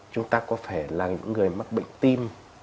chúng ta có phải là những người mắc bệnh tim